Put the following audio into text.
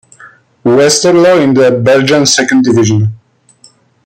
Westerlo in the Belgian second division.